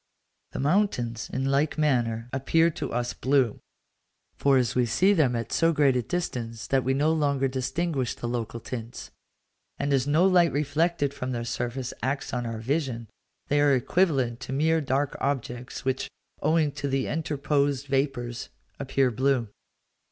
The mountains, in like manner, appear to us blue; for, as we see them at so great a distance that we no longer distinguish the local tints, and as no light reflected from their surface acts on our vision, they are equivalent to mere dark objects, which, owing to the interposed vapours, appear blue.